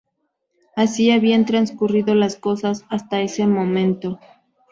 Así habían transcurrido las cosas hasta ese momento.